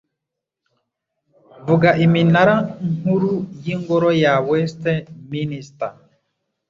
Vuga Iminara Nkuru yingoro ya Westminster